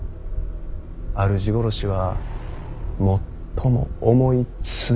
主殺しは最も重い罪。